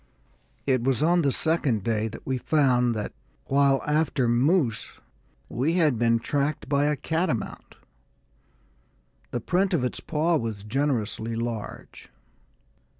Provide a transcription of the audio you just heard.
It was on the second day that we found that, while after moose, we had been tracked by a catamount. The print of its paw was generously large.